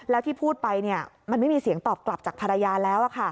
แล้วที่พูดไปมันไม่มีเสียงตอบกลับจากภรรยาแล้ว